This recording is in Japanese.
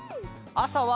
あさは？